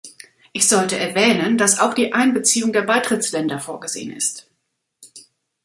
Ich sollte erwähnen, dass auch die Einbeziehung der Beitrittsländer vorgesehen ist.